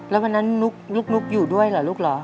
แล้ววันนั้นนุ๊กอยู่ด้วยเหรอลูกเหรอ